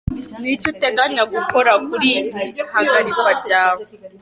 Ni iki uteganya gukora kuri iri hagarikwa ryawe?.